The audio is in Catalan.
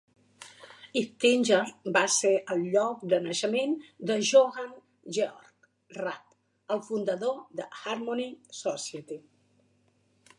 Iptingen va ser el lloc de naixement de Johann Georg Rapp, el fundador de la Harmony Society.